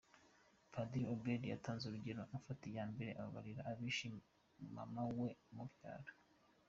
Padiri Ubald yatanze urugero afata iya mbere ababarira abishe mama we umubyara.